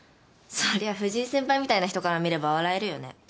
そりゃ藤井先輩みたいな人から見れば笑えるよね。